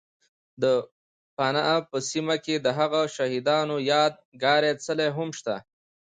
، د پنه په سیمه کې دهغو شهید انو یاد گاري څلی هم شته